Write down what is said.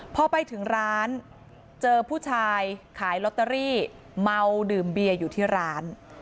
พอไปถึงร้านเจอผู้ชายขายลอตเตอรี่เมาดื่มเบียร์อยู่ที่ร้าน